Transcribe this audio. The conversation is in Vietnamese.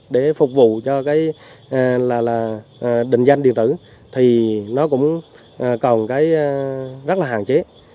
để phục vụ cho định danh điện tử thì nó cũng còn rất là hạn chế